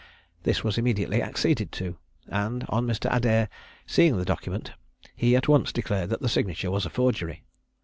This was immediately acceded to; and on Mr. Adair seeing the document, he at once declared that the signature was a forgery.